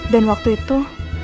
dan waktu itu